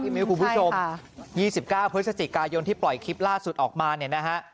มิ้วคุณผู้ชม๒๙พฤศจิกายนที่ปล่อยคลิปล่าสุดออกมาเนี่ยนะฮะ